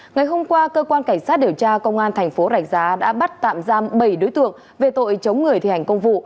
ngày hôm qua cơ quan cảnh sát điều tra công an thành phố rạch giá đã bắt tạm giam bảy đối tượng về tội chống người thi hành công vụ